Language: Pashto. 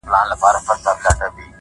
دا درې جامونـه پـه واوښـتـل”